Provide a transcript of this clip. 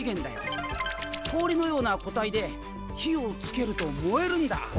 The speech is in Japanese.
氷のような固体で火をつけると燃えるんだ。